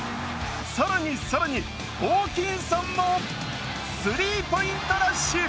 更に更に、ホーキンソンもスリーポイントラッシュ！